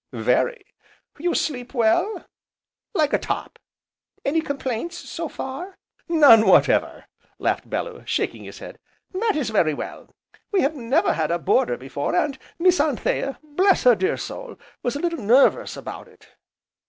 "Very!" "You sleep well?" "Like a top!" "Any complaints, so far?" "None whatever," laughed Bellew, shaking his head. "That is very well. We have never had a boarder before, and Miss Anthea, bless her dear soul! was a little nervous about it.